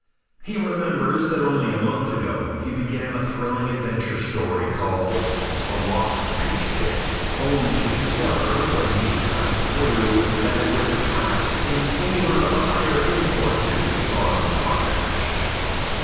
He remembers that only a month ago he began a thrilling adventure story called "The Lost Peach Pit," only to discover, when he was half through, that it was a tract in favor of a higher import duty on potash.